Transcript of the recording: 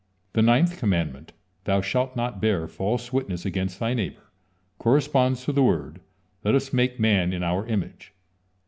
The ninth commandment: "Thou shalt not bear false witness against thy neighbor," corresponds to the word: "Let us make man in our image."